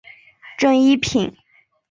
正一品。